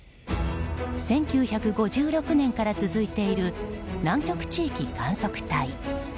１９５６年から続いている南極地域観測隊。